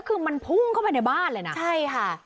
คือมันพุ่งเข้าไปในบ้านเลยนะใช่ค่ะ